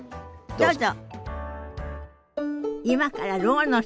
どうぞ。